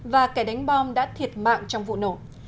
và kẻ đánh bom đã thiệt mạng trong vụ nổ